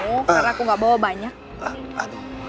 karena aku gak bawa banyak